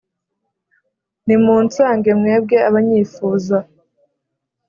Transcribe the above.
Nimunsange mwebwe abanyifuza,